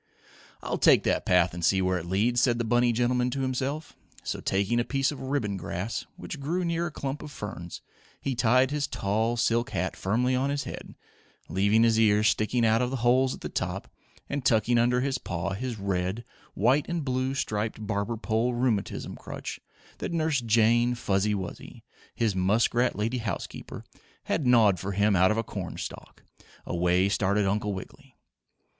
"I'll take that path and see where it leads," said the bunny gentleman to himself. So, taking a piece of ribbon grass, which grew near a clump of ferns, he tied his tall silk hat firmly on his head, leaving his ears sticking out of the holes at the top, and tucking under his paw his red, white and blue striped barber pole rheumatism crutch that Nurse Jane Fuzzy Wuzzy, his muskrat lady housekeeper, had gnawed for him out of a cornstalk, away started Uncle Wiggily.